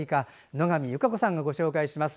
野上優佳子さんがご紹介します。